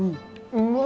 うまっ！